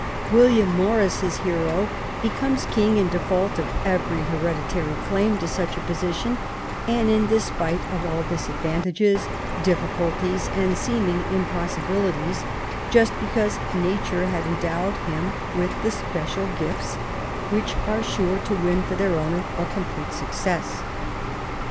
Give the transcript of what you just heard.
William Morris's hero becomes king in default of every hereditary claim to such a position and in despite of all disadvantages, difficulties, and seeming impossibilities, just because nature had endowed him with the special gifts which are sure to win for their owner a complete success.